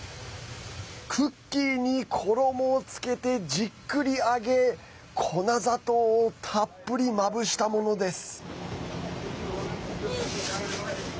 クッキーに衣をつけてじっくり揚げ粉砂糖をたっぷりまぶしたものです。